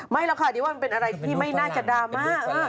ไม่ล่ะค่ะดิว่ามันเป็นอะไรที่ไม่น่าจะดรามมาก